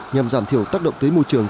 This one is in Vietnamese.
nhằm giảm thiểu tác động tới môi trường